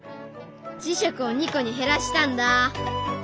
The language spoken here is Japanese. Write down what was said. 磁石を２個に減らしたんだ。